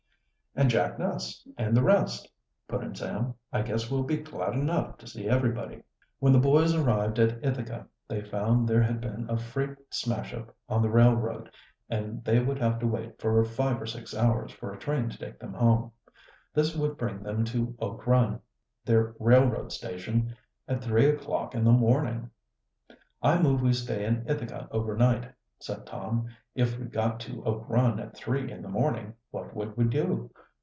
"And Jack Ness and the rest," put in Sam. "I guess we'll be glad enough to see everybody." When the boys arrived at Ithaca they found there had been a freight smash up on the railroad, and that they would have to wait for five or six hours for a train to take them home. This would bring them to Oak Run, their railroad station, at three o'clock in the morning. "I move we stay in Ithaca over night," said Tom. "If we got to Oak Run at three in the morning, what would we do?